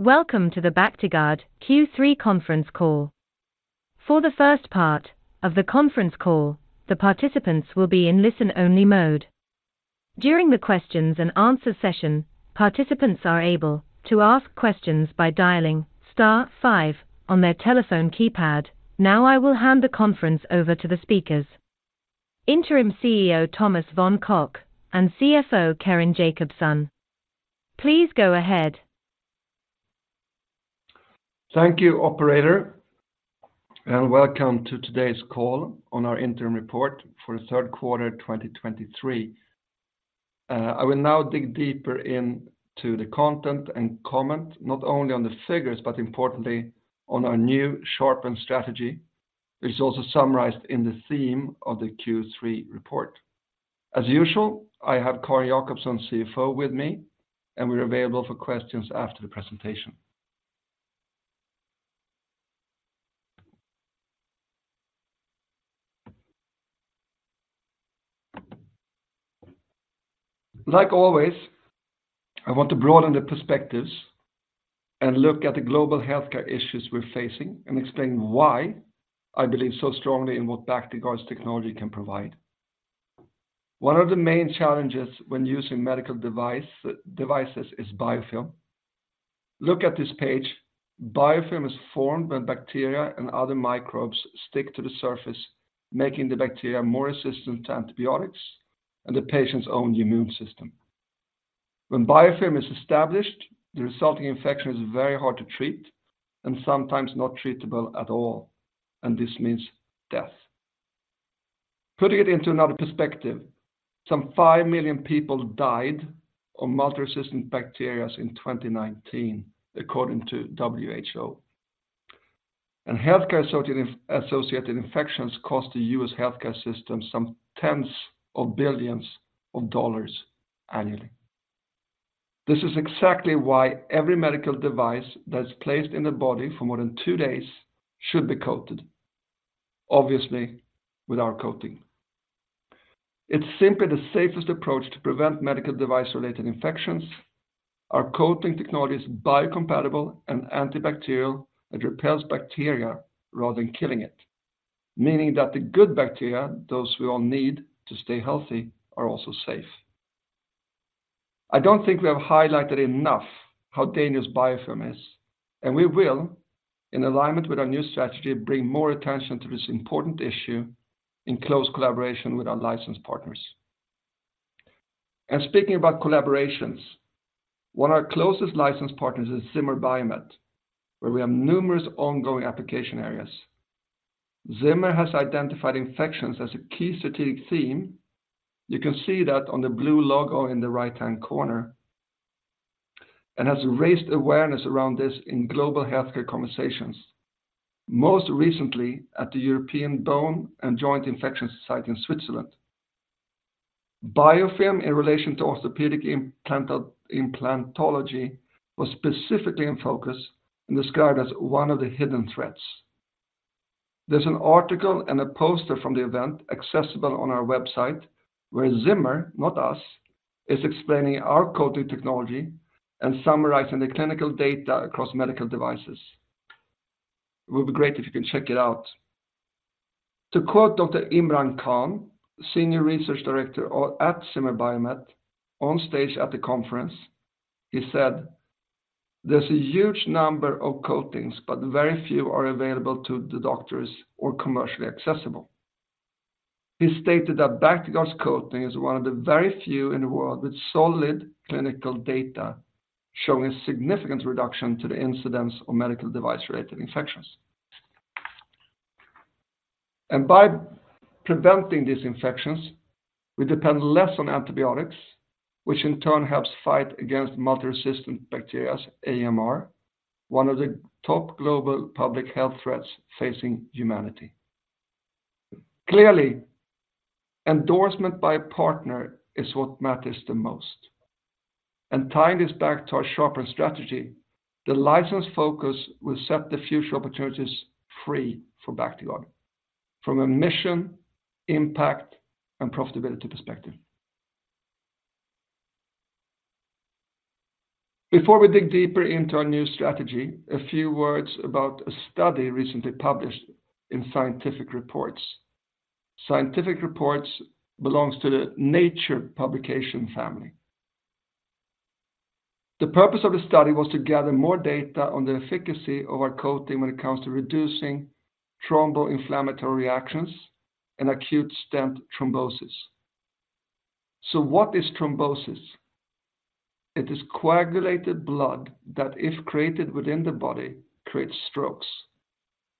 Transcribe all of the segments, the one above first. Welcome to the Bactiguard Q3 conference call. For the first part of the conference call, the participants will be in listen-only mode. During the Q&A session, participants are able to ask questions by dialing star five on their telephone keypad. Now, I will hand the conference over to the speakers, Interim CEO Thomas von Koch and CFO Carin Jakobson. Please go ahead. Thank you, operator, and welcome to today's call on our interim report for the third quarter, 2023. I will now dig deeper into the content and comment, not only on the figures, but importantly, on our new sharpened strategy, which is also summarized in the theme of the Q3 report. As usual, I have Carin Jakobson, CFO, with me, and we're available for questions after the presentation. Like always, I want to broaden the perspectives and look at the global healthcare issues we're facing, and explain why I believe so strongly in what Bactiguard's technology can provide. One of the main challenges when using medical device, devices is biofilm. Look at this page. Biofilm is formed when bacteria and other microbes stick to the surface, making the bacteria more resistant to antibiotics and the patient's own immune system. When biofilm is established, the resulting infection is very hard to treat and sometimes not treatable at all, and this means death. Putting it into another perspective, some five million people died of multi-resistant bacteria in 2019, according to WHO. Healthcare-associated infections cost the U.S. healthcare system some tens of billions of dollars annually. This is exactly why every medical device that's placed in the body for more than two days should be coated, obviously, with our coating. It's simply the safest approach to prevent medical device-related infections. Our coating technology is biocompatible and antibacterial, that repels bacteria rather than killing it, meaning that the good bacteria, those we all need to stay healthy, are also safe. I don't think we have highlighted enough how dangerous biofilm is, and we will, in alignment with our new strategy, bring more attention to this important issue in close collaboration with our licensed partners. Speaking about collaborations, one of our closest licensed partners is Zimmer Biomet, where we have numerous ongoing application areas. Zimmer has identified infections as a key strategic theme. You can see that on the blue logo in the right-hand corner, and has raised awareness around this in global healthcare conversations, most recently at the European Bone and Joint Infection Society in Switzerland. Biofilm, in relation to orthopedic implant, implantology, was specifically in focus and described as one of the hidden threats. There's an article and a poster from the event accessible on our website, where Zimmer, not us, is explaining our coating technology and summarizing the clinical data across medical devices. It would be great if you can check it out. To quote Dr. Imran Khan, Senior Research Director at Zimmer Biomet, on stage at the conference, he said, "There's a huge number of coatings, but very few are available to the doctors or commercially accessible." He stated that Bactiguard's coating is one of the very few in the world with solid clinical data, showing significant reduction to the incidence of medical device-related infections. By preventing these infections, we depend less on antibiotics, which in turn helps fight against multi-resistant bacteria, AMR, one of the top global public health threats facing humanity. Clearly, endorsement by a partner is what matters the most. Tying this back to our sharpened strategy, the license focus will set the future opportunities free for Bactiguard from a mission, impact, and profitability perspective. Before we dig deeper into our new strategy, a few words about a study recently published in Scientific Reports. Scientific Reports belongs to the Nature publication family. The purpose of the study was to gather more data on the efficacy of our coating when it comes to reducing thromboinflammatory reactions and acute stent thrombosis. So what is thrombosis? It is coagulated blood that, if created within the body, creates strokes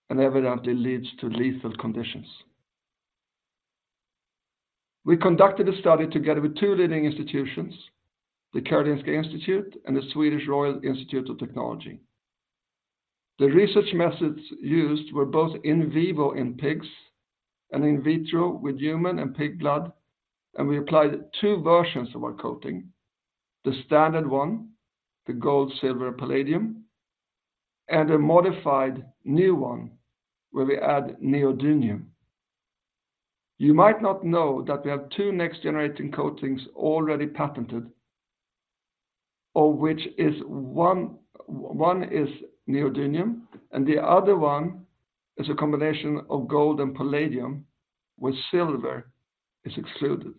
and evidently leads to lethal conditions. We conducted a study together with two leading institutions, the Karolinska Institute and the KTH Royal Institute of Technology. The research methods used were both in vivo in pigs and in vitro with human and pig blood, and we applied two versions of our coating, the standard one, the gold, silver, palladium, and a modified new one, where we add neodymium.... You might not know that we have two next-generation coatings already patented, one of which is neodymium, and the other one is a combination of gold and palladium, where silver is excluded.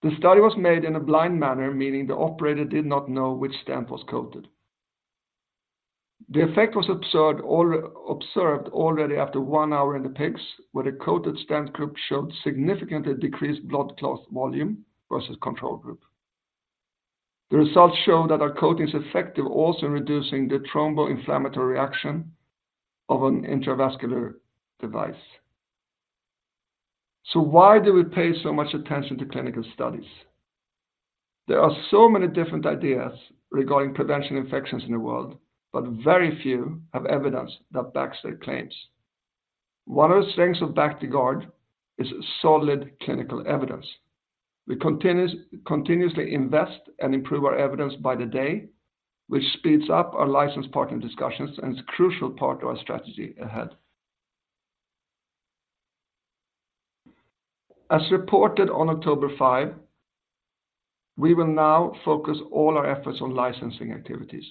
The study was made in a blind manner, meaning the operator did not know which stent was coated. The effect was observed already after one hour in the pigs, where the coated stent group showed significantly decreased blood clot volume versus control group. The results show that our coating is effective also in reducing the thromboinflammatory reaction of an intravascular device. So why do we pay so much attention to clinical studies? There are so many different ideas regarding preventing infections in the world, but very few have evidence that backs their claims. One of the strengths of Bactiguard is solid clinical evidence. We continuously invest and improve our evidence by the day, which speeds up our license partner discussions, and it's a crucial part of our strategy ahead. As reported on October 5, we will now focus all our efforts on licensing activities.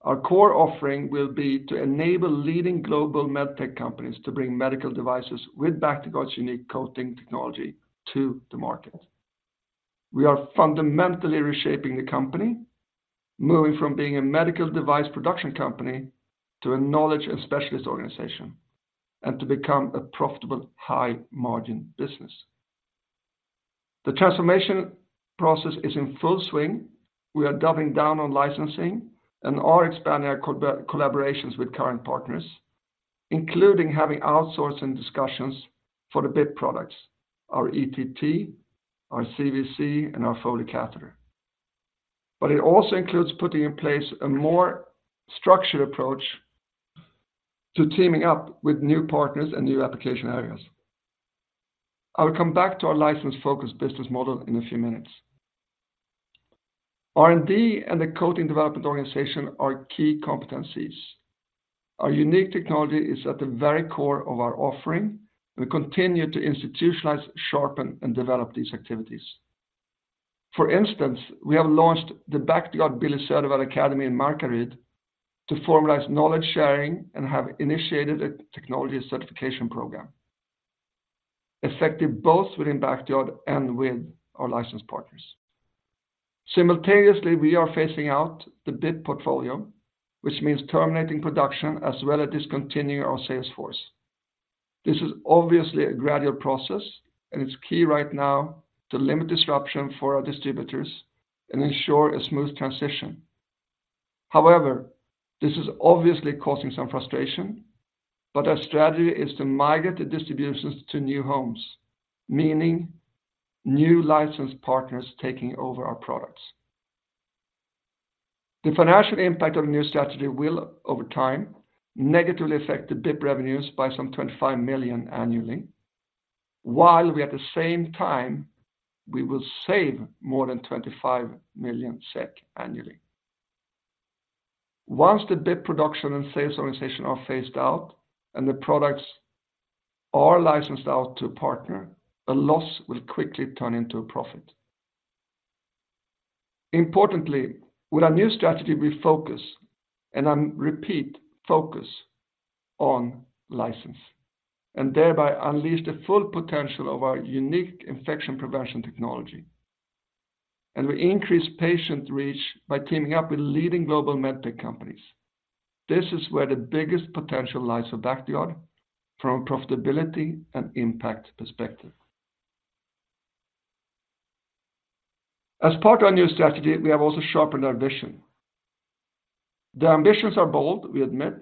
Our core offering will be to enable leading global medtech companies to bring medical devices with Bactiguard's unique coating technology to the market. We are fundamentally reshaping the company, moving from being a medical device production company to a knowledge and specialist organization, and to become a profitable, high-margin business. The transformation process is in full swing. We are doubling down on licensing and are expanding our collaborations with current partners, including having outsourcing discussions for the BIP products, our ETT, our CVC, and our Foley catheter. But it also includes putting in place a more structured approach to teaming up with new partners and new application areas. I will come back to our license-focused business model in a few minutes. R&D and the coating development organization are key competencies. Our unique technology is at the very core of our offering. We continue to institutionalize, sharpen, and develop these activities. For instance, we have launched the Bactiguard Billy Södervall Academy in Markaryd to formalize knowledge sharing and have initiated a technology certification program, effective both within Bactiguard and with our license partners. Simultaneously, we are phasing out the BIP portfolio, which means terminating production as well as discontinuing our sales force. This is obviously a gradual process, and it's key right now to limit disruption for our distributors and ensure a smooth transition. However, this is obviously causing some frustration, but our strategy is to migrate the distributions to new homes, meaning new license partners taking over our products. The financial impact of the new strategy will, over time, negatively affect the BIP revenues by some 25 million annually, while we at the same time, we will save more than 25 million SEK annually. Once the BIP production and sales organization are phased out and the products are licensed out to a partner, a loss will quickly turn into a profit. Importantly, with our new strategy, we focus, and I repeat, focus on license, and thereby unleash the full potential of our unique infection prevention technology. And we increase patient reach by teaming up with leading global medtech companies. This is where the biggest potential lies for Bactiguard from a profitability and impact perspective. As part of our new strategy, we have also sharpened our vision. The ambitions are bold, we admit,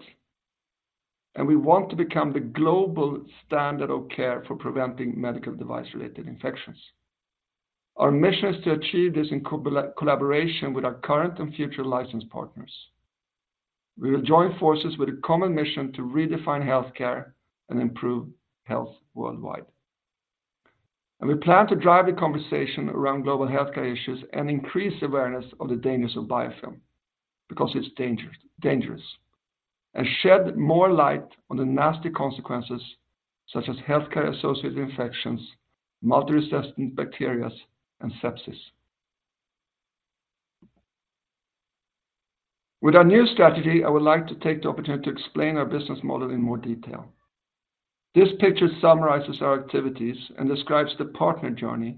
and we want to become the global standard of care for preventing medical device-related infections. Our mission is to achieve this in collaboration with our current and future license partners. We will join forces with a common mission to redefine healthcare and improve health worldwide. We plan to drive the conversation around global healthcare issues and increase awareness of the dangers of biofilm, because it's dangerous, dangerous, and shed more light on the nasty consequences, such as healthcare-associated infections, multi-resistant bacteria, and sepsis. With our new strategy, I would like to take the opportunity to explain our business model in more detail. This picture summarizes our activities and describes the partner journey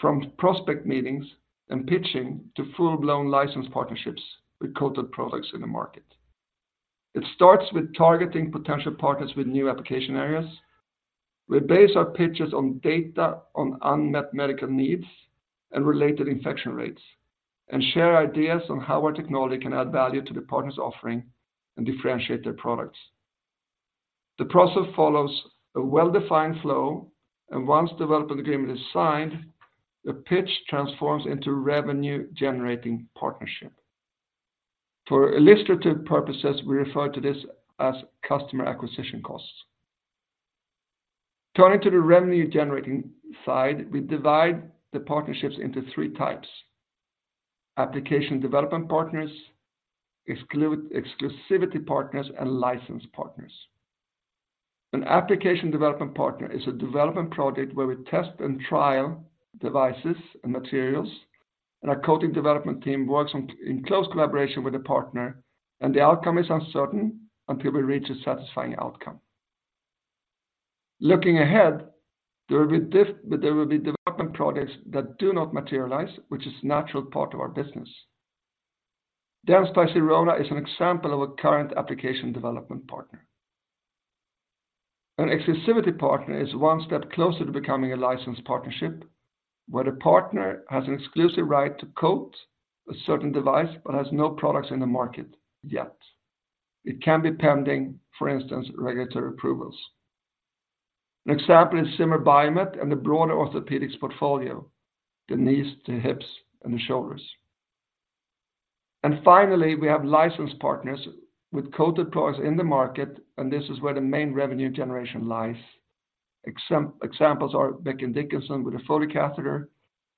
from prospect meetings and pitching to full-blown license partnerships with coated products in the market. It starts with targeting potential partners with new application areas. We base our pitches on data on unmet medical needs and related infection rates, and share ideas on how our technology can add value to the partner's offering and differentiate their products. The process follows a well-defined flow, and once development agreement is signed, the pitch transforms into revenue-generating partnership. For illustrative purposes, we refer to this as customer acquisition costs. Turning to the revenue-generating side, we divide the partnerships into three types: application development partners, exclusive partners, and license partners. An application development partner is a development project where we test and trial devices and materials, and our coating development team works on, in close collaboration with the partner, and the outcome is uncertain until we reach a satisfying outcome. Looking ahead, there will be different but there will be development projects that do not materialize, which is a natural part of our business. Dentsply Sirona is an example of a current application development partner. An exclusivity partner is one step closer to becoming a licensed partnership, where the partner has an exclusive right to coat a certain device, but has no products in the market yet. It can be pending, for instance, regulatory approvals. An example is Zimmer Biomet and the broader orthopedics portfolio, the knees, the hips, and the shoulders. And finally, we have licensed partners with coated products in the market, and this is where the main revenue generation lies. Examples are Becton Dickinson with a Foley catheter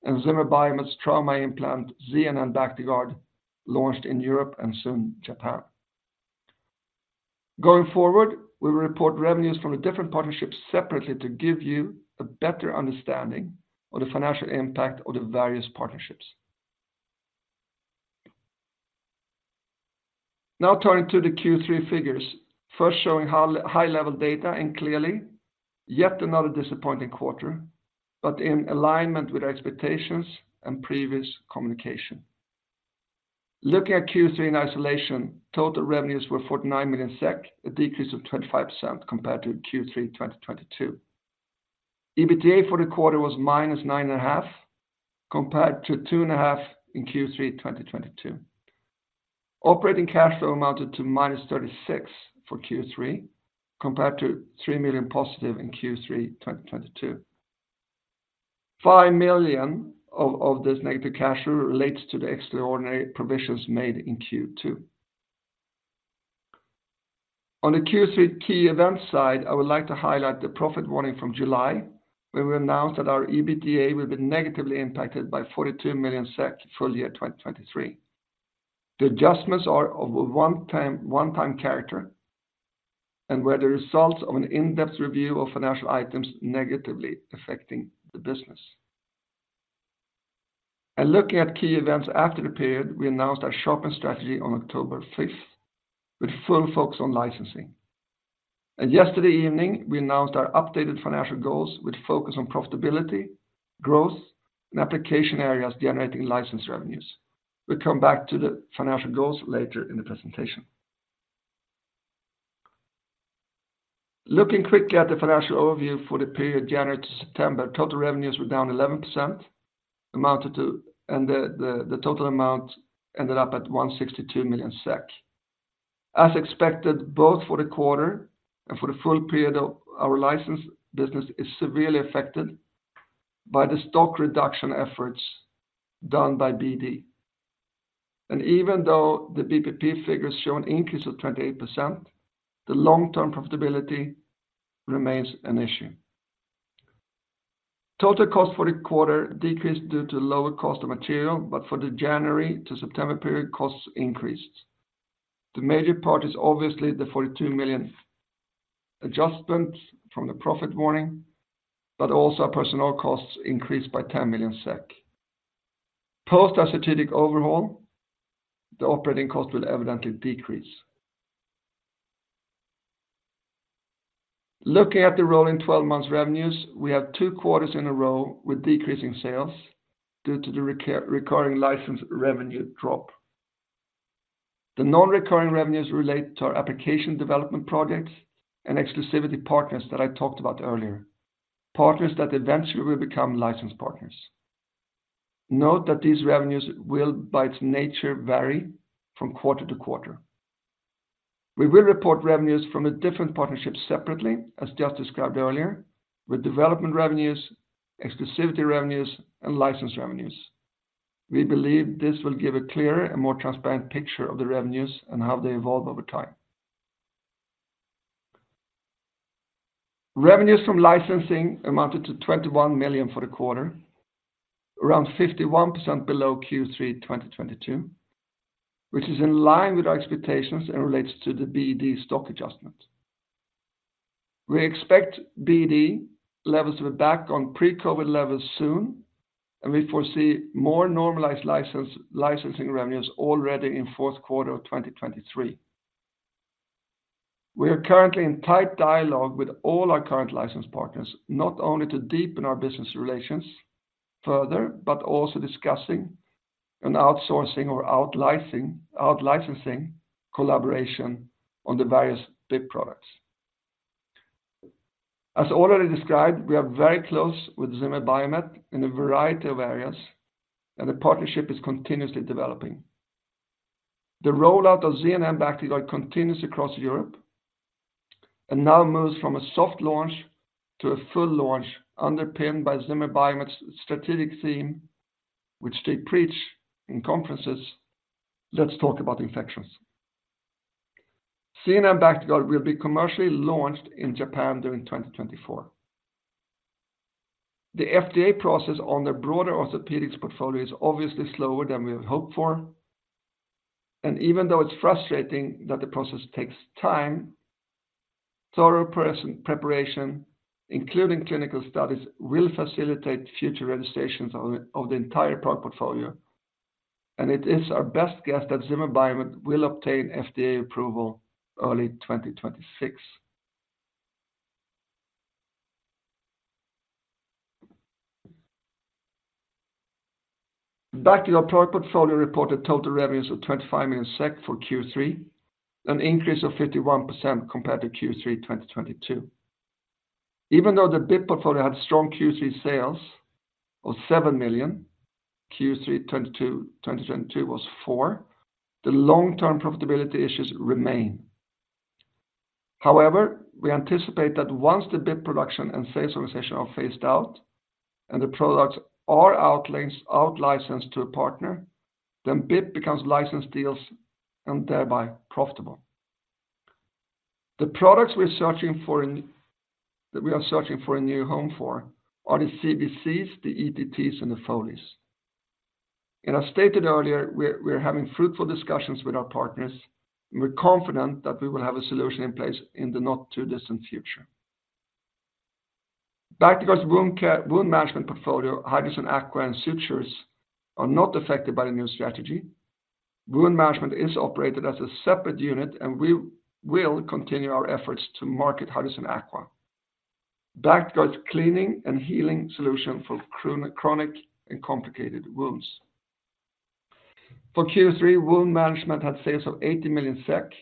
and Zimmer Biomet's trauma implant, ZNN Bactiguard, launched in Europe and soon Japan. Going forward, we will report revenues from the different partnerships separately to give you a better understanding of the financial impact of the various partnerships. Now, turning to the Q3 figures, first showing how high-level data and clearly, yet another disappointing quarter, but in alignment with our expectations and previous communication. Looking at Q3 in isolation, total revenues were 49 million SEK, a decrease of 25% compared to Q3 2022. EBITDA for the quarter was -9.5 million, compared to 2.5 million in Q3 2022. Operating cash flow amounted to -36 million for Q3, compared to +3 million in Q3 2022. 5 million of this negative cash flow relates to the extraordinary provisions made in Q2. On the Q3 key events side, I would like to highlight the profit warning from July, when we announced that our EBITDA will be negatively impacted by 42 million SEK full year 2023. The adjustments are of a one-time, one-time character, and were the results of an in-depth review of financial items negatively affecting the business. Looking at key events after the period, we announced our stop & shift strategy on October 5th, with full focus on licensing. Yesterday evening, we announced our updated financial goals with focus on profitability, growth, and application areas generating license revenues. We'll come back to the financial goals later in the presentation. Looking quickly at the financial overview for the period January-September, total revenues were down 11%, amounted to, and the total amount ended up at 162 million SEK. As expected, both for the quarter and for the full period of our license business is severely affected by the stock reduction efforts done by BD. And even though the BIP figures show an increase of 28%, the long-term profitability remains an issue. Total cost for the quarter decreased due to lower cost of material, but for the January-September period, costs increased. The major part is obviously the 42 million adjustments from the profit warning, but also our personnel costs increased by 10 million SEK. Post our strategic overhaul, the operating cost will evidently decrease. Looking at the rolling 12 months revenues, we have two quarters in a row with decreasing sales due to the recurring license revenue drop. The non-recurring revenues relate to our application development projects and exclusivity partners that I talked about earlier, partners that eventually will become license partners. Note that these revenues will, by its nature, vary from quarter-to-quarter. We will report revenues from a different partnership separately, as just described earlier, with development revenues, exclusivity revenues, and license revenues. We believe this will give a clearer and more transparent picture of the revenues and how they evolve over time. Revenues from licensing amounted to 21 million for the quarter, around 51% below Q3 2022, which is in line with our expectations and relates to the BD stock adjustment. We expect BD levels to be back on pre-COVID levels soon, and we foresee more normalized license, licensing revenues already in fourth quarter of 2023. We are currently in tight dialogue with all our current license partners, not only to deepen our business relations further, but also discussing an outsourcing or out licensing, out licensing collaboration on the various BIP products. As already described, we are very close with Zimmer Biomet in a variety of areas, and the partnership is continuously developing. The rollout of ZNN Bactiguard continues across Europe, and now moves from a soft launch to a full launch underpinned by Zimmer Biomet's strategic theme, which they preach in conferences, "Let's talk about infections."... ZNN Bactiguard will be commercially launched in Japan during 2024. The FDA process on the broader orthopedics portfolio is obviously slower than we had hoped for, and even though it's frustrating that the process takes time, thorough preparation, including clinical studies, will facilitate future registrations of the entire product portfolio, and it is our best guess that Zimmer Biomet will obtain FDA approval early 2026. The Bactiguard product portfolio reported total revenues of 25 million SEK for Q3, an increase of 51% compared to Q3 2022. Even though the BIP portfolio had strong Q3 sales of 7 million, Q3 2022 was 4 million, the long-term profitability issues remain. However, we anticipate that once the BIP production and sales organization are phased out, and the products are outlicensed to a partner, then BIP becomes license deals and thereby profitable. The products we're searching for that we are searching for a new home for are the CVCs, the ETT, and the Foleys. I stated earlier, we're having fruitful discussions with our partners, and we're confident that we will have a solution in place in the not-too-distant future. Bactiguard's wound care, wound management portfolio, Hydrocyn Aqua and sutures, are not affected by the new strategy. Wound management is operated as a separate unit, and we will continue our efforts to market Hydrocyn Aqua. Bactiguard's cleaning and healing solution for chronic and complicated wounds. For Q3, wound management had sales of 18 million SEK.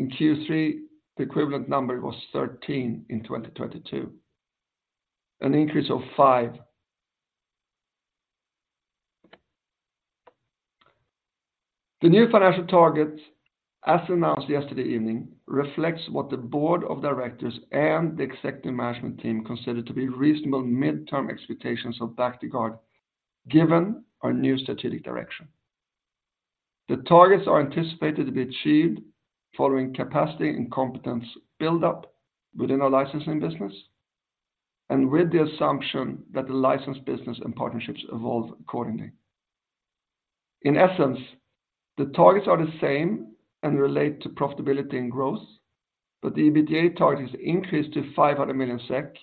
In Q3, the equivalent number was 13 million in 2022, an increase of 5 million. The new financial targets, as announced yesterday evening, reflects what the board of directors and the executive management team consider to be reasonable midterm expectations of Bactiguard, given our new strategic direction. The targets are anticipated to be achieved following capacity and competence build-up within our licensing business, and with the assumption that the license business and partnerships evolve accordingly. In essence, the targets are the same and relate to profitability and growth, but the EBITDA target is increased to 500 million SEK,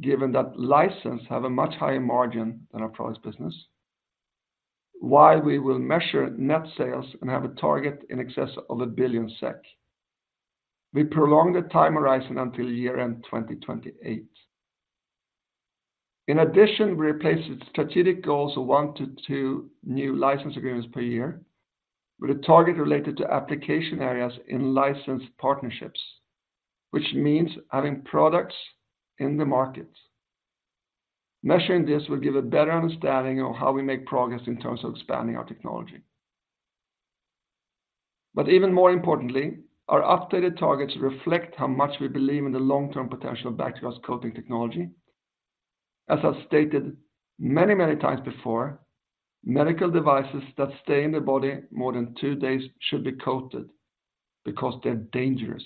given that license have a much higher margin than our products business. While we will measure net sales and have a target in excess of 1 billion SEK, we prolong the time horizon until year-end 2028. In addition, we replaced strategic goals of one to two new license agreements per year with a target related to application areas in licensed partnerships, which means having products in the market. Measuring this will give a better understanding of how we make progress in terms of expanding our technology. But even more importantly, our updated targets reflect how much we believe in the long-term potential of Bactiguard's coating technology. As I've stated many, many times before, medical devices that stay in the body more than two days should be coated because they're dangerous,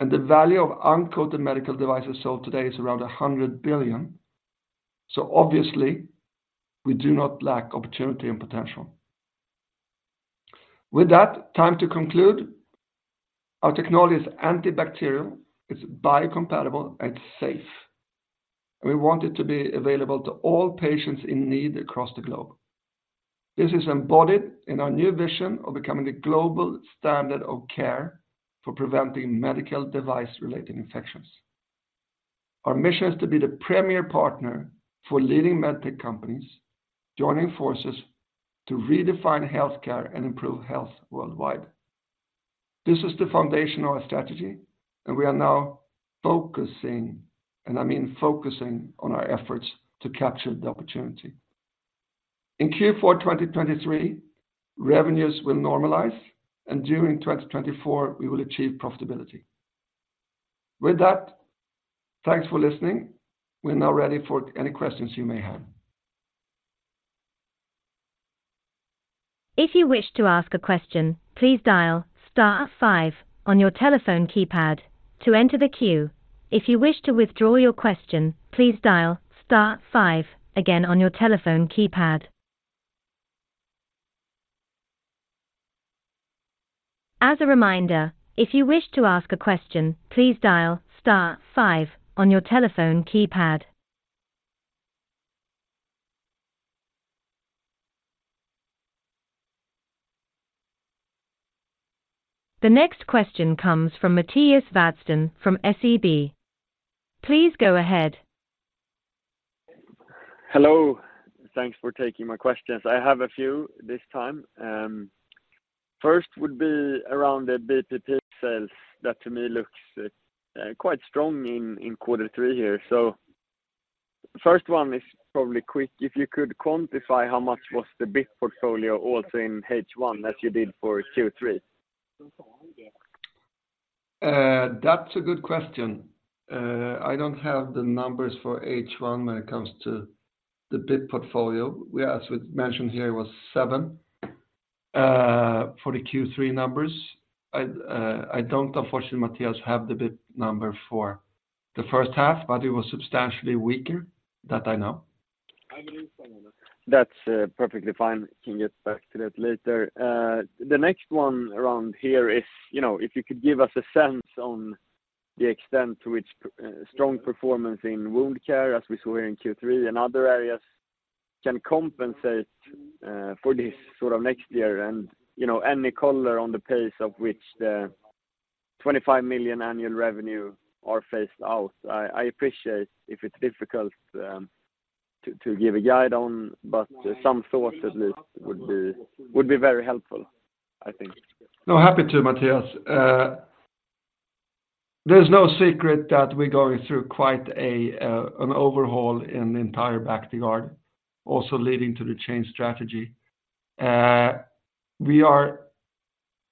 and the value of uncoated medical devices sold today is around 100 billion. So obviously, we do not lack opportunity and potential. With that, time to conclude. Our technology is antibacterial, it's biocompatible, and it's safe. We want it to be available to all patients in need across the globe. This is embodied in our new vision of becoming the global standard of care for preventing medical device-related infections. Our mission is to be the premier partner for leading med tech companies, joining forces to redefine healthcare and improve health worldwide. This is the foundation of our strategy, and we are now focusing, and I mean focusing, on our efforts to capture the opportunity. In Q4 2023, revenues will normalize, and during 2024, we will achieve profitability. With that, thanks for listening. We're now ready for any questions you may have. If you wish to ask a question, please dial star five on your telephone keypad to enter the queue. If you wish to withdraw your question, please dial star five again on your telephone keypad. As a reminder, if you wish to ask a question, please dial star five on your telephone keypad. The next question comes from Mattias Vadsten from SEB. Please go ahead. Hello. Thanks for taking my questions. I have a few this time. First would be around the BIP sales. That, to me, looks quite strong in quarter three here. So first one is probably quick. If you could quantify how much was the BIP portfolio also in H1, as you did for Q3? That's a good question. I don't have the numbers for H1 when it comes to the BIP portfolio. We, as we mentioned here, it was 7 for the Q3 numbers. I, I don't, unfortunately, Mattias, have the BIP number for the first half, but it was substantially weaker, that I know. That's perfectly fine. We can get back to that later. The next one around here is, you know, if you could give us a sense on the extent to which strong performance in wound care, as we saw here in Q3 and other areas, can compensate for this sort of next year, and, you know, any color on the pace of which the 25 million annual revenue are phased out. I appreciate if it's difficult to give a guide on, but some thought at least would be very helpful, I think. No, happy to, Mattias. There's no secret that we're going through quite an overhaul in the entire Bactiguard, also leading to the changing strategy. We are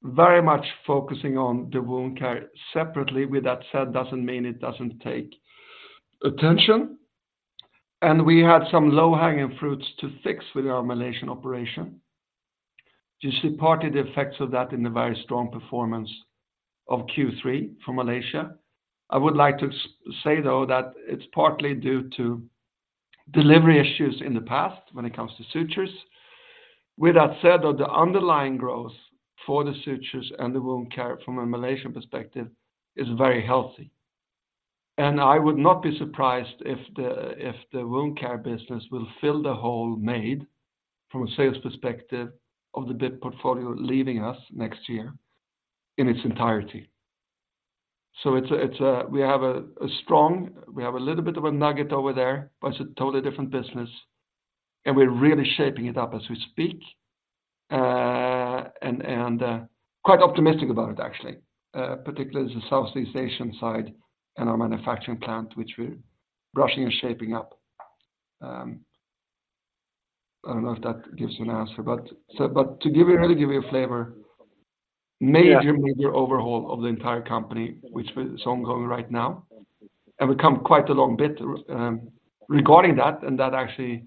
very much focusing on the wound care separately. With that said, doesn't mean it doesn't take attention, and we had some low-hanging fruits to fix with our Malaysian operation. You see partly the effects of that in the very strong performance of Q3 from Malaysia. I would like to say, though, that it's partly due to delivery issues in the past when it comes to sutures. With that said, though, the underlying growth for the sutures and the wound care from a Malaysian perspective is very healthy. And I would not be surprised if the wound care business will fill the hole made from a sales perspective of the BIP portfolio, leaving us next year in its entirety. So it's a we have a strong we have a little bit of a nugget over there, but it's a totally different business, and we're really shaping it up as we speak, and quite optimistic about it, actually. Particularly the Southeast Asian side and our manufacturing plant, which we're brushing and shaping up. I don't know if that gives you an answer, but to give you really give you a flavor, major, major overhaul of the entire company, which is ongoing right now, and we come quite a long bit regarding that, and that actually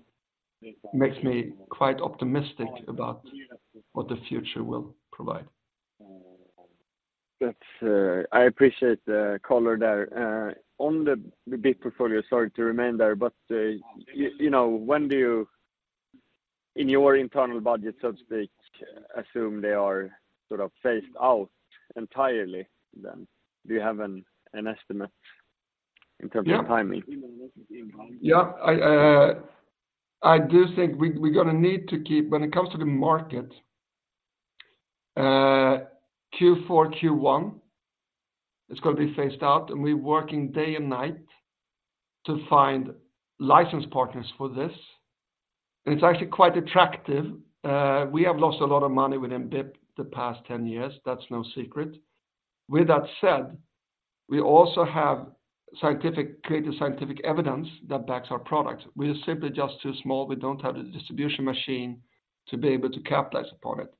makes me quite optimistic about what the future will provide. That's, I appreciate the color there. On the BIP portfolio, sorry to remain there, but, you know, when do you, in your internal budget, so to speak, assume they are sort of phased out entirely, then? Do you have an estimate in terms of timing? Yeah. I, I do think we, we're gonna need to keep when it comes to the market, Q4, Q1, it's gonna be phased out, and we're working day and night to find license partners for this. And it's actually quite attractive. We have lost a lot of money within BIP the past 10 years. That's no secret. With that said, we also have scientific, creative scientific evidence that backs our product. We are simply just too small. We don't have the distribution machine to be able to capitalize upon it.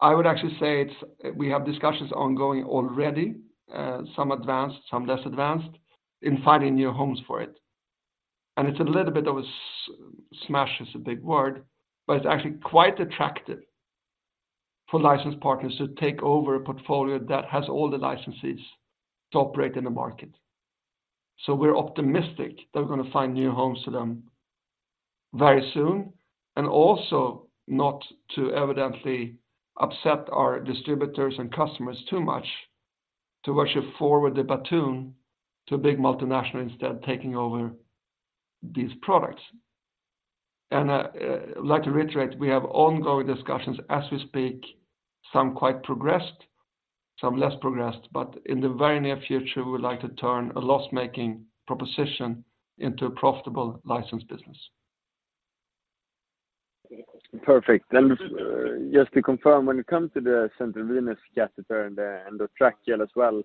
I would actually say it's. We have discussions ongoing already, some advanced, some less advanced, in finding new homes for it. It's a little bit of a smash is a big word, but it's actually quite attractive for licensed partners to take over a portfolio that has all the licenses to operate in the market. So we're optimistic that we're gonna find new homes for them very soon, and also not to evidently upset our distributors and customers too much to actually forward the baton to a big multinational instead of taking over these products. I'd like to reiterate, we have ongoing discussions as we speak, some quite progressed, some less progressed, but in the very near future, we would like to turn a loss-making proposition into a profitable license business. Perfect. Then, just to confirm, when it comes to the central venous catheter and the tracheal as well,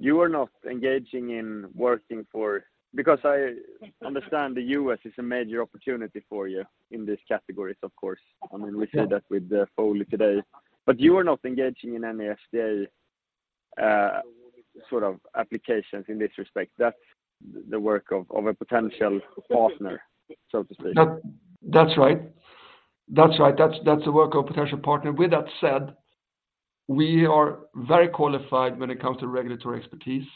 you are not engaging in working for, because I understand the U.S. is a major opportunity for you in these categories, of course. I mean, we say that with the Foley today, but you are not engaging in any FDA sort of applications in this respect. That's the work of a potential partner, so to speak. That's right. That's right. That's, that's the work of a potential partner. With that said, we are very qualified when it comes to regulatory expertise,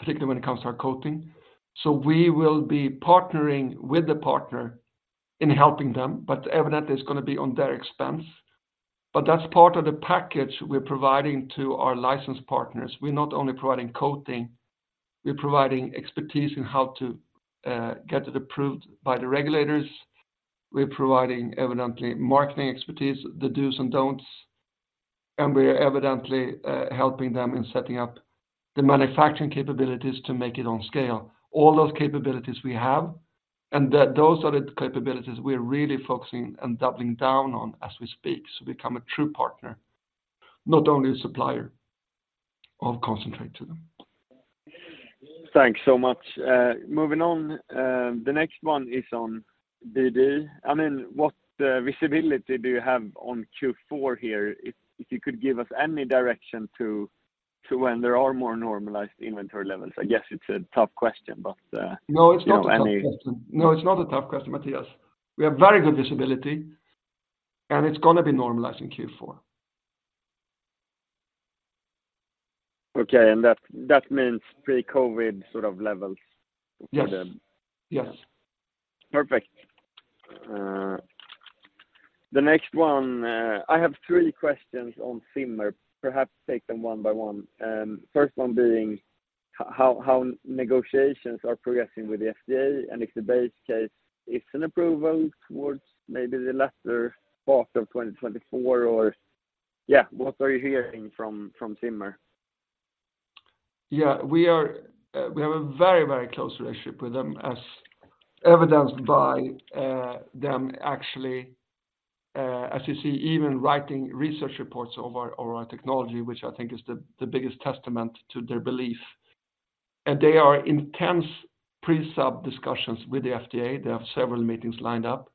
particularly when it comes to our coating. So we will be partnering with the partner in helping them, but evidently, it's gonna be on their expense. But that's part of the package we're providing to our license partners. We're not only providing coating, we're providing expertise in how to get it approved by the regulators. We're providing, evidently, marketing expertise, the do's and don'ts, and we are evidently helping them in setting up the manufacturing capabilities to make it on scale. All those capabilities we have, and that those are the capabilities we are really focusing and doubling down on as we speak, to become a true partner, not only a supplier of concentrate to them. Thanks so much. Moving on, the next one is on BD. I mean, what visibility do you have on Q4 here? If you could give us any direction to when there are more normalized inventory levels. I guess it's a tough question, but... No, it's not a tough question. You know, any- No, it's not a tough question, Mattias. We have very good visibility, and it's gonna be normalized in Q4. Okay, and that means pre-COVID sort of levels for them? Yes. Yes. Perfect. The next one, I have three questions on Zimmer, perhaps take them one by one. First one being how negotiations are progressing with the FDA, and if the base case is an approval towards maybe the latter part of 2024, or, yeah, what are you hearing from Zimmer? Yeah, we are, we have a very, very close relationship with them, as evidenced by, them actually, as you see, even writing research reports over our, over our technology, which I think is the, the biggest testament to their belief. And they are in intense pre-sub discussions with the FDA. They have several meetings lined up.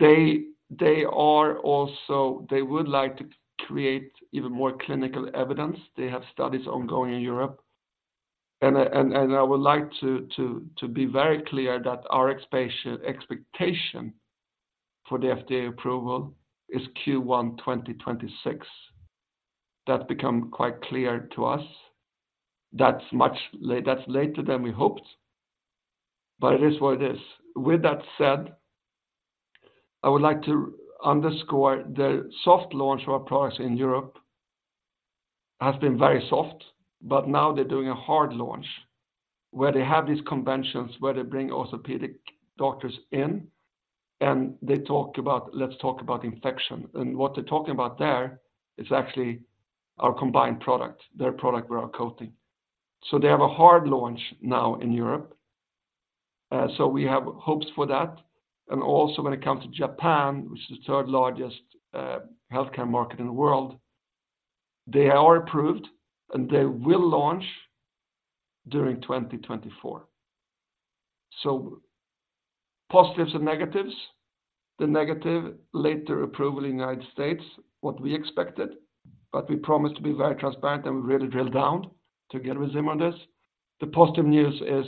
They, they are also-- they would like to create even more clinical evidence. They have studies ongoing in Europe. And, and, and I would like to, to, to be very clear that our expectation for the FDA approval is Q1, 2026. That become quite clear to us. That's much later than we hoped, but it is what it is. With that said, I would like to underscore the soft launch of our products in Europe has been very soft, but now they're doing a hard launch, where they have these conventions, where they bring orthopedic doctors in, and they talk about, let's talk about infection. And what they're talking about there is actually our combined product, their product with our coating. So they have a hard launch now in Europe, so we have hopes for that. And also, when it comes to Japan, which is the third largest healthcare market in the world, they are approved, and they will launch during 2024. So positives and negatives, the negative, later approval in United States, what we expected, but we promised to be very transparent, and we really drilled down together with Zimmer on this. The positive news is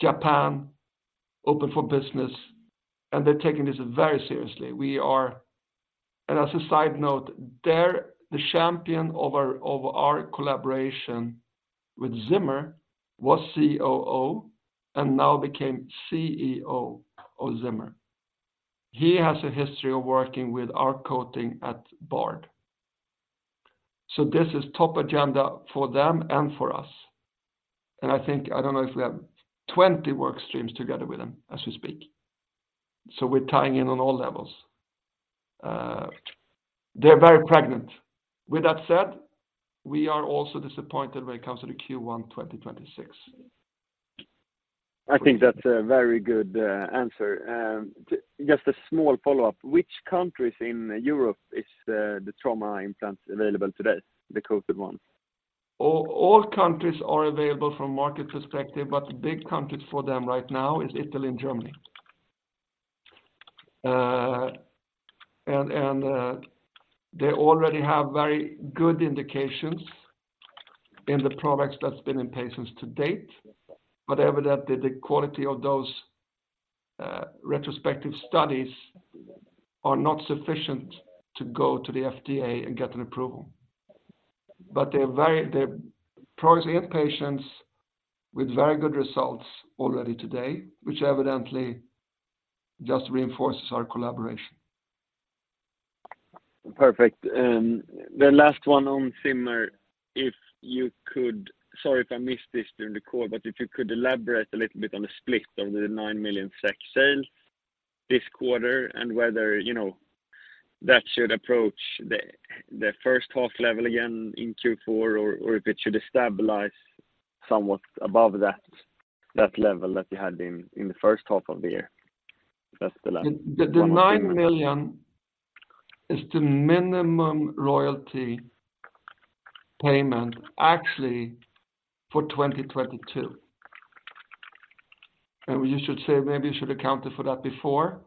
Japan open for business, and they're taking this very seriously. We are, and as a side note, the champion of our collaboration with Zimmer was COO, and now became CEO of Zimmer. He has a history of working with our coating at Bard. So this is top agenda for them and for us. And I think, I don't know if we have 20 work streams together with them as we speak. So we're tying in on all levels. They're very engaged. With that said, we are also disappointed when it comes to the Q1 2026. I think that's a very good answer. Just a small follow-up. Which countries in Europe is the trauma implants available today, the ZNN one? All, all countries are available from market perspective, but the big countries for them right now is Italy and Germany. They already have very good indications in the products that's been in patients to date, but evident that the quality of those, retrospective studies are not sufficient to go to the FDA and get an approval. But they're very, they're products in patients with very good results already today, which evidently just reinforces our collaboration. Perfect. The last one on Zimmer, if you could, sorry if I missed this during the call, but if you could elaborate a little bit on the split of the 9 million SEK sale this quarter and whether, you know, that should approach the, the first half level again in Q4, or, or if it should stabilize somewhat above that, that level that you had in, in the first half of the year. That's the last- The nine million is the minimum royalty payment, actually, for 2022. We should say, maybe you should accounted for that before,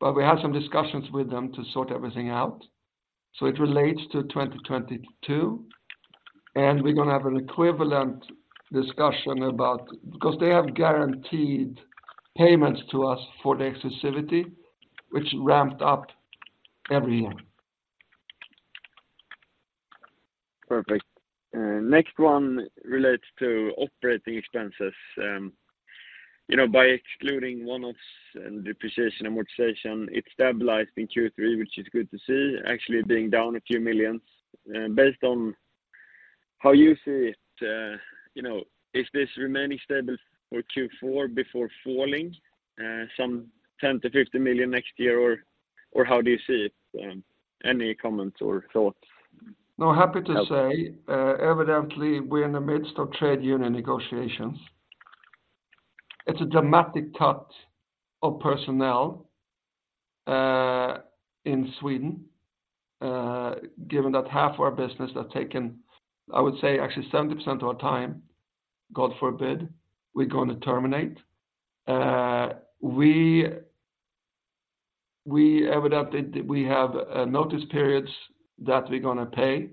but we had some discussions with them to sort everything out. It relates to 2022, and we're gonna have an equivalent discussion about... Because they have guaranteed payments to us for the exclusivity, which ramped up every year. Perfect. Next one relates to operating expenses. You know, by excluding one-offs and depreciation amortization, it stabilized in Q3, which is good to see, actually being down a few million SEK. Based on how you see it, you know, is this remaining stable for Q4 before falling some 10 million-50 million next year, or, or how do you see it? Any comments or thoughts? No, happy to say, evidently, we're in the midst of trade union negotiations. It's a dramatic cut of personnel in Sweden, given that half of our business have taken, I would say, actually, 70% of our time. God forbid, we're going to terminate. We evidently have notice periods that we're going to pay,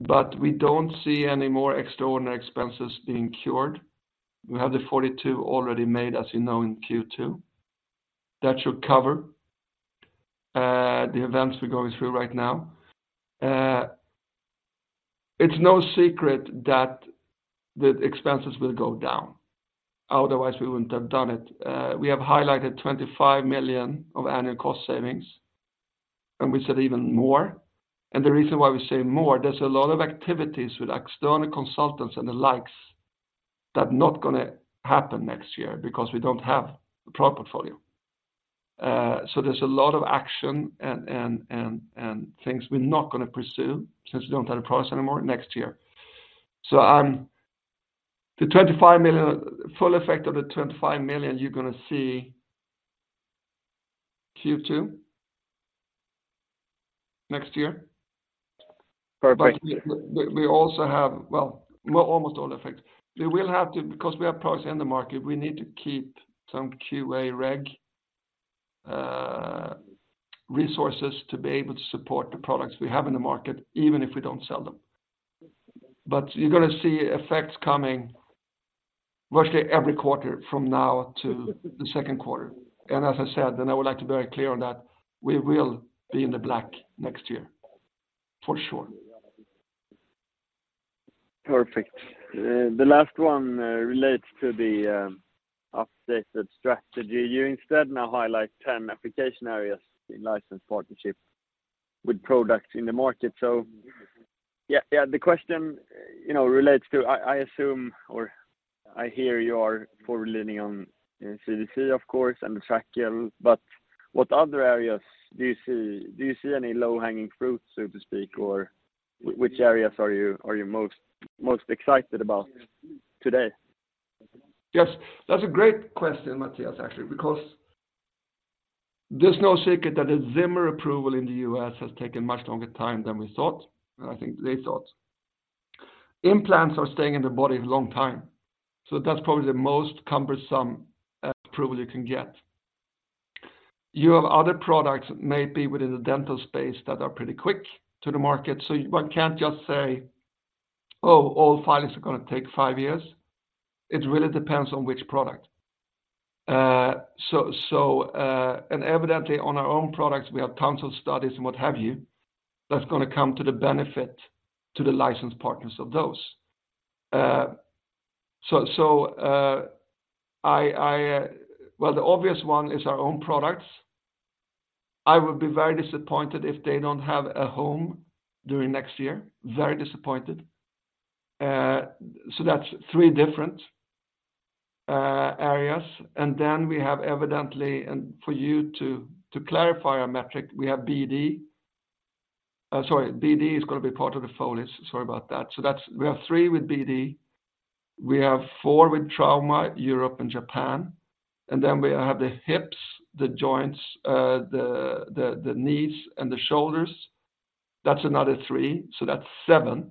but we don't see any more extraordinary expenses being cured. We have the 42 already made, as you know, in Q2. That should cover the events we're going through right now. It's no secret that the expenses will go down, otherwise we wouldn't have done it. We have highlighted 25 million of annual cost savings, and we said even more. The reason why we say more, there's a lot of activities with external consultants and the likes that's not going to happen next year because we don't have a product portfolio. So there's a lot of action and things we're not going to pursue, since we don't have the products anymore next year. So, the 25 million, full effect of the 25 million, you're going to see Q2 next year. Perfect. But we also have, well, almost all effect. We will have to, because we have products in the market, we need to keep some QA reg resources to be able to support the products we have in the market, even if we don't sell them. But you're going to see effects coming virtually every quarter from now to the second quarter. And as I said, and I would like to be very clear on that, we will be in the black next year, for sure. Perfect. The last one relates to the updated strategy. You instead now highlight 10 application areas in license partnership with products in the market. So the question, you know, relates to, I assume, or I hear you are for leaning on CDC, of course, and the tracheal, but what other areas do you see? Do you see any low-hanging fruit, so to speak, or which areas are you most excited about today? Yes, that's a great question, Mattias, actually, because there's no secret that the Zimmer approval in the U.S. has taken much longer time than we thought, and I think they thought. Implants are staying in the body a long time, so that's probably the most cumbersome approval you can get. You have other products that may be within the dental space that are pretty quick to the market. So one can't just say, oh, all filings are going to take five years. It really depends on which product. So, and evidently, on our own products, we have tons of studies and what have you, that's going to come to the benefit to the licensed partners of those. So, I, well, the obvious one is our own products. I would be very disappointed if they don't have a home during next year. Very disappointed. So that's three different areas. And then we have evidently, and for you to clarify our metric, we have BD. Sorry, BD is going to be part of the Foleys. Sorry about that. So that's we have three with BD, we have four with trauma, Europe and Japan, and then we have the hips, the joints, the knees and the shoulders. That's another three, so that's seven.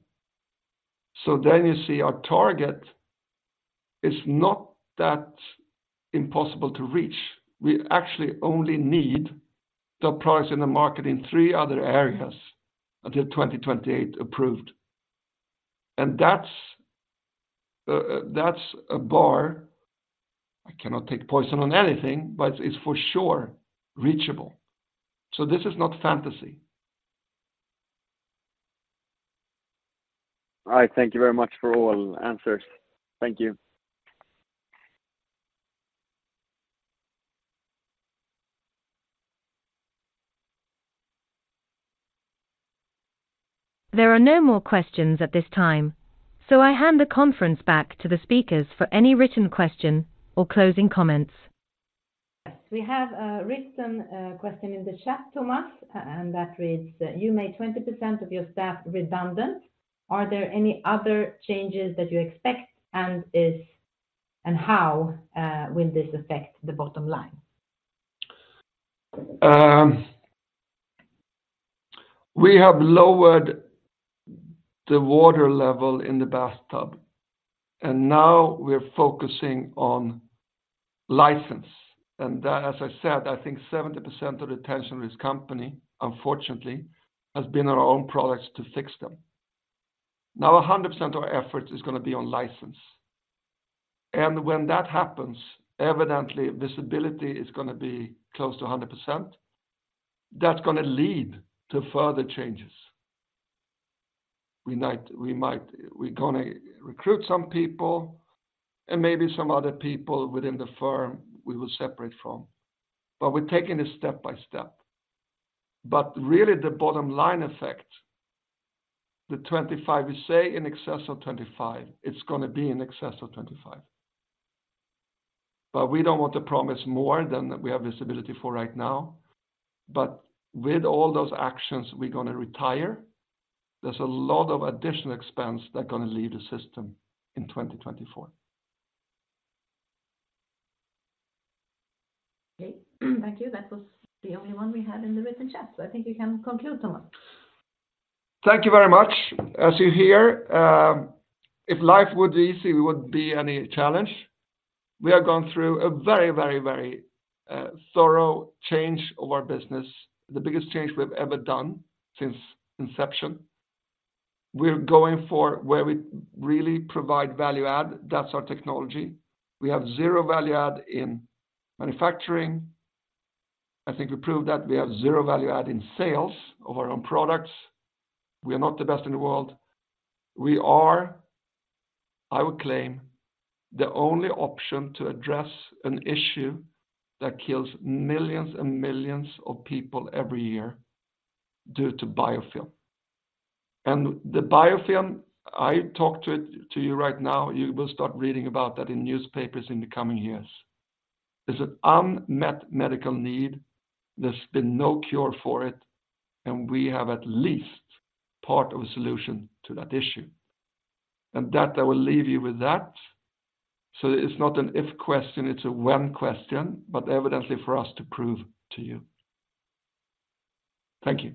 So then you see our target is not that impossible to reach. We actually only need the products in the market in three other areas until 2028 approved. And that's a bar. I cannot take position on anything, but it's for sure reachable. So this is not fantasy. All right. Thank you very much for all answers. Thank you. There are no more questions at this time, so I hand the conference back to the speakers for any written question or closing comments. We have a written question in the chat, Thomas, and that reads: You made 20% of your staff redundant. Are there any other changes that you expect, and how will this affect the bottom line? We have lowered the water level in the bathtub, and now we're focusing on license. And that, as I said, I think 70% of the infection risk to the company, unfortunately, has been our own products to fix them. Now, 100% of our efforts is going to be on license. And when that happens, evidently, visibility is going to be close to 100%. That's going to lead to further changes. We're going to recruit some people and maybe some other people within the firm we will separate from, but we're taking this step by step. But really, the bottom line effect, the 25, we say in excess of 25, it's going to be in excess of 25. But we don't want to promise more than we have visibility for right now. With all those actions we're going to retire, there's a lot of additional expense that are going to leave the system in 2024. Okay. Thank you. That was the only one we had in the written chat, so I think you can conclude, Thomas. Thank you very much. As you hear, if life would be easy, it wouldn't be any challenge. We are going through a very, very, very thorough change of our business. The biggest change we've ever done since inception. We're going for where we really provide value add. That's our technology. We have zero value add in manufacturing. I think we proved that we have zero value add in sales of our own products. We are not the best in the world. We are, I would claim, the only option to address an issue that kills millions and millions of people every year due to biofilm. And the biofilm, I talk to it, to you right now, you will start reading about that in newspapers in the coming years. There's an unmet medical need, there's been no cure for it, and we have at least part of a solution to that issue. That, I will leave you with that. It's not an if question, it's a when question, but evidently for us to prove to you. Thank you.